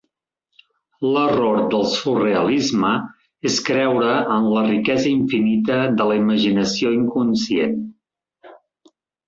L'error del surrealisme és creure en la riquesa infinita de la imaginació inconscient.